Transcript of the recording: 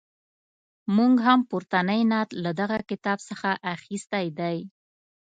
موږ هم پورتنی نعت له دغه کتاب څخه اخیستی دی.